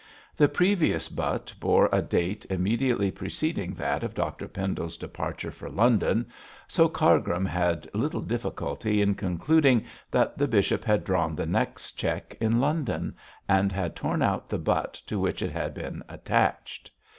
The previous butt bore a date immediately preceding that of Dr Pendle's departure for London, so Cargrim had little difficulty in concluding that the bishop had drawn the next cheque in London, and had torn out the butt to which it had been attached.